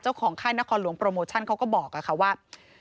ค่ายนครหลวงโปรโมชั่นเขาก็บอกค่ะว่า